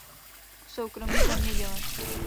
Soukromý zemědělec.